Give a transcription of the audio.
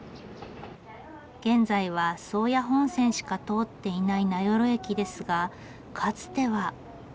現在は宗谷本線しか通っていない名寄駅ですがかつては。